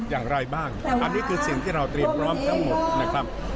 อย่างไรบ้างอันนี้คือสิ่งที่เราเตรียมพร้อมทั้งหมดนะครับ